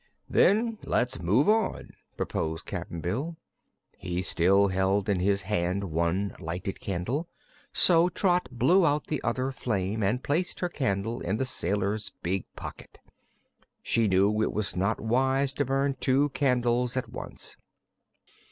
"Then let's move on," proposed Cap'n Bill. He still held in his hand one lighted candle, so Trot blew out the other flame and placed her candle in the sailor's big pocket. She knew it was not wise to burn two candles at once.